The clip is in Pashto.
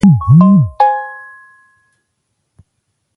هغه د تیمور په جنګونو کې ورسره ملګری وو.